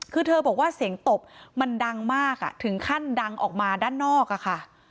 คือเธอบอกว่าเสียงตบมันดังมากถึงขั้นดังออกมาด้านนอกอะค่ะ